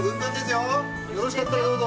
よろしかったらどうぞ。